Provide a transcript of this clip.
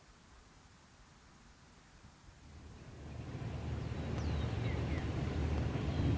asal sekolah sma negeri enam belas